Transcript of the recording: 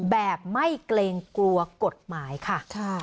แบบไม่เกรงกลัวกฎหมายค่ะ